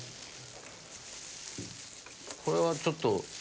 これはちょっと。